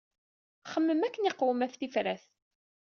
Xemmem akken iqwem ɣef tifrat!